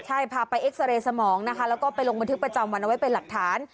ใช่พาไปเอ็กซาเรย์สมองนะคะแล้วก็ไปลงบันทึกประจำวันเอาไว้เป็นหลักฐาน